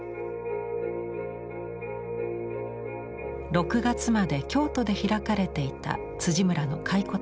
６月まで京都で開かれていた村の回顧展。